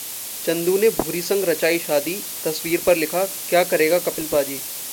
चंदू ने भूरी संग रचाई शादी! तस्वीर पर लिखा- क्या करेगा कपिल पाजी